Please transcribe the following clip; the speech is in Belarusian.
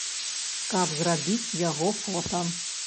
Каб зрабіць яго фота.